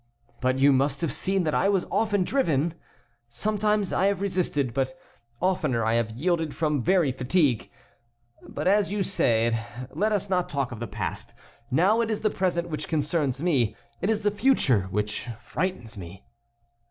But you must have seen that I was often driven? Sometimes I have resisted, but oftener I have yielded from very fatigue. But, as you said, let us not talk of the past. Now it is the present which concerns me; it is the future which frightens me."